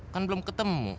kan belum ketemu